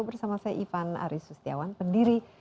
bersama saya ivan arief sustiawan pendiri